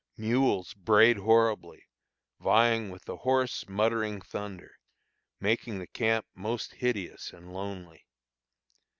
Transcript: Mules brayed horribly, vying with the hoarse, muttering thunder, making the camp most hideous and lonely.